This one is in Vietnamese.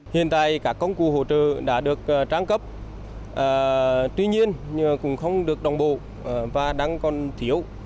hiện tại các công cụ hỗ trợ đã được trang cấp tuy nhiên cũng không được đồng bộ và đang còn thiếu